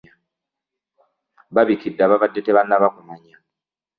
Babikidde ababadde tebannaba kumanya.